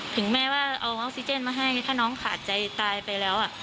ถึงแม้ว่าเอาออกซิเจนมาให้ถ้าน้องขาดใจตายไปแล้ว